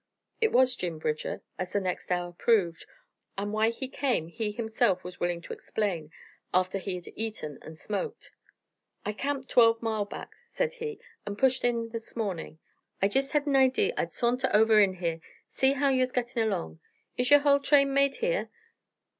It was Jim Bridger, as the next hour proved, and why he came he himself was willing to explain after he had eaten and smoked. "I camped twelve mile back," said he, "an' pushed in this mornin'. I jest had a idee I'd sornter over in here, see how ye was gittin' along. Is your hull train made here?"